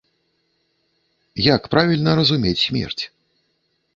Як правільна разумець смерць?